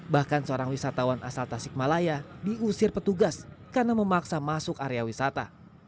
bahkan seorang wisatawan asal tasikmalaya diusir petugas karena memaksa masuk area wisata